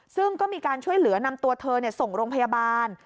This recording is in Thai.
ซึ่งก็มีการช่วยเหลือนำตัวเธอส่งโรงพยาบาล